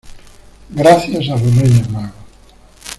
gracias. a los Reyes Magos .